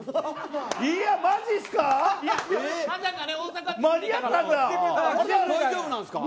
いやマジすか。